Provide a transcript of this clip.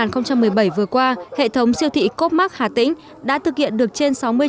năm hai nghìn một mươi bảy vừa qua hệ thống siêu thị copmark hà tĩnh đã thực hiện được trên sáu mươi